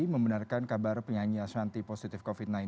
membenarkan kabar penyanyi ashanti positif covid sembilan belas